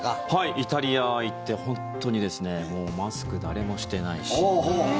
イタリア行って本当にマスク誰もしてないし。